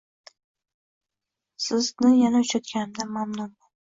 Sizni yana uchratganimdan mamnunman.